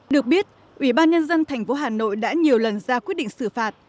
được biết ủy ban nhân dân thành phố hà nội đã nhiều lần ra quyết định xử phạt